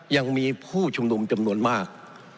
ยังมีผู้ชุมนุมจำนวนมาก